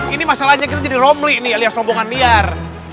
ini masalahnya kita jadi romli nih alias rombongan liar